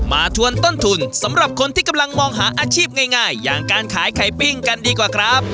ทวนต้นทุนสำหรับคนที่กำลังมองหาอาชีพง่ายอย่างการขายไข่ปิ้งกันดีกว่าครับ